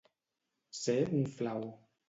Ser un flaó.